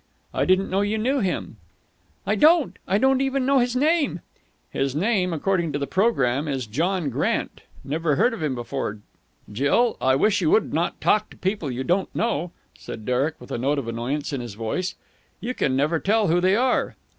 I didn't know you knew him." "I don't. I don't even know his name." "His name, according to the programme, is John Grant. Never heard of him before. Jill, I wish you would not talk to people you don't know," said Derek with a note of annoyance in his voice. "You can never tell who they are."